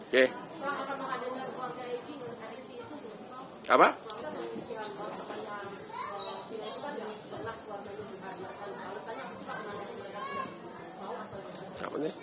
karena kita gak dapat izin